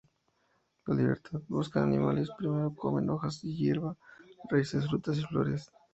En libertad, buscan animales, primero comen hojas y hierba, raíces, frutas y flores.